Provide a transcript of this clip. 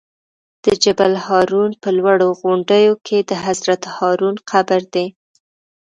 د جبل الهارون په لوړو غونډیو کې د حضرت هارون قبر دی.